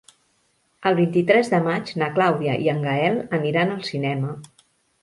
El vint-i-tres de maig na Clàudia i en Gaël aniran al cinema.